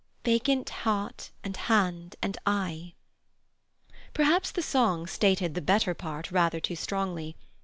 "Vacant heart and hand and eye—" Perhaps the song stated "the better part" rather too strongly.